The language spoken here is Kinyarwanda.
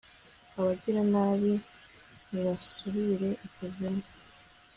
abagiranabi nibasubire ikuzimu